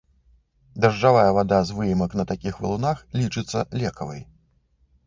Дажджавая вада з выемак на такіх валунах лічыцца лекавай.